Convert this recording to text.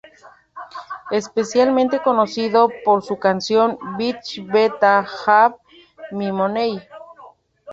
Especialmente conocido por su canción "Bitch Betta Have My Money".